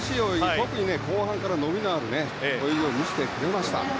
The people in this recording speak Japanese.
特に後半から伸びのある泳ぎを見せてくれました。